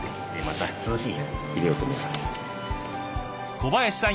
小林さん